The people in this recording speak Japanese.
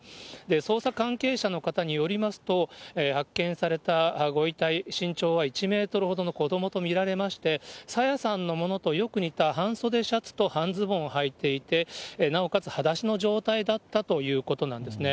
捜査関係者の方によりますと、発見されたご遺体、身長は１メートルほどの子どもと見られまして、朝芽さんのものとよく似た半袖シャツと半ズボンをはいていて、なおかつはだしの状態だったということなんですね。